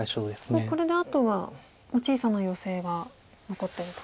これであとはもう小さなヨセが残ってると。